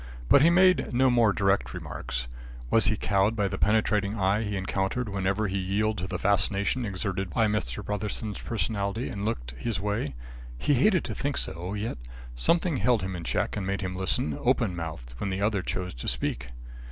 But he made no more direct remarks. Was he cowed by the penetrating eye he encountered whenever he yielded to the fascination exerted by Mr. Brotherson's personality and looked his way? He hated to think so, yet something held him in check and made him listen, open mouthed, when the other chose to speak.